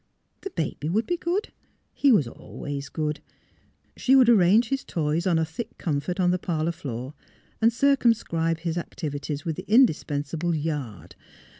The baby would be good; he was always good; she would arrange his toys on a thick comfort on the parlour floor and circumscribe his activities with the indispensable " Yard."